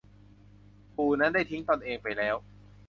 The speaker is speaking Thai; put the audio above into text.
ปู่นั้นได้ทิ้งตนเองไปแล้ว